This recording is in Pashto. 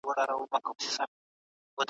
تاوان د سوداګرۍ په لار کې د پخېدو لومړی ګام دی.